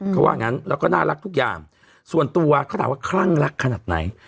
เขาว่างั้นแล้วก็น่ารักทุกอย่างส่วนตัวเขาถามว่าคลั่งรักขนาดไหน